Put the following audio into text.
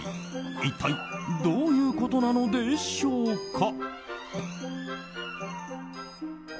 一体どういうことなのでしょうか。